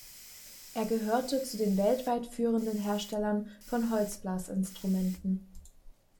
Er gehörte zu den weltweit führenden Herstellern von Holzblasinstrumenten.